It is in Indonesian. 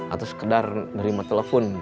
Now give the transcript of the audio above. atau sekedar nerima telepon